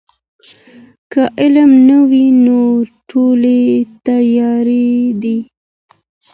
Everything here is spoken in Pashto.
که علم نه وي نو توري تیارې دي.